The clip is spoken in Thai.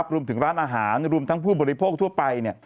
รวมถึงร้านอาหารรวมทั้งผู้บริโภคทั่วไป